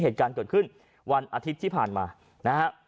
เหตุการณ์เกิดขึ้นวันอาทิตย์ที่ผ่านมานะฮะ